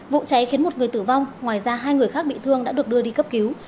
vụ cháy khiến một người tử vong ngoài ra hai người khác bị thương đã được đưa đi cấp cứu